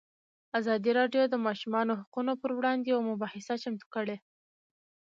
ازادي راډیو د د ماشومانو حقونه پر وړاندې یوه مباحثه چمتو کړې.